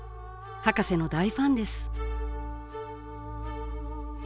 ハカセの大ファンです